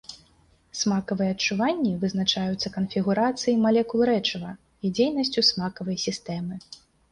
Смакавыя адчуванні вызначаюцца канфігурацыяй малекул рэчыва і дзейнасцю смакавай сістэмы.